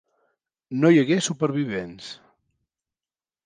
No hi hagué supervivents.